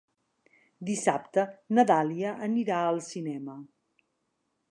Dissabte na Dàlia anirà al cinema.